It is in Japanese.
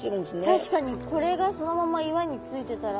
確かにこれがそのまま岩についてたら。